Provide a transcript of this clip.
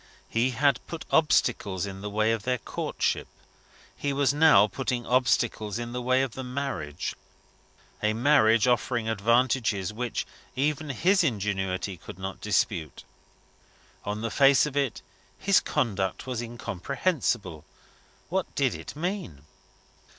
He had put obstacles in the way of the courtship; he was now putting obstacles in the way of the marriage a marriage offering advantages which even his ingenuity could not dispute. On the face of it, his conduct was incomprehensible. What did it mean?